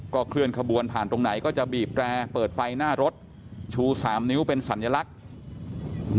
เคลื่อนขบวนผ่านตรงไหนก็จะบีบแร่เปิดไฟหน้ารถชู๓นิ้วเป็นสัญลักษณ์